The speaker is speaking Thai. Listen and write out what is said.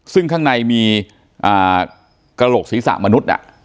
ซึ่งข้างในมีกระโหลกศีรษะมนุษย์